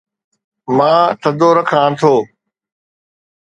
مان ٿڌو رکان ٿو